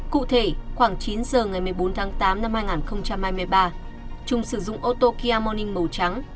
cụ thể khoảng chín giờ ngày một mươi bốn tháng tám năm hai nghìn hai mươi ba trung sử dụng ô tô kia morning màu trắng